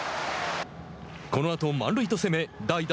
このあと満塁と攻め代打